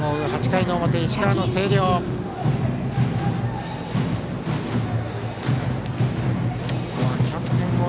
８回の表石川の星稜。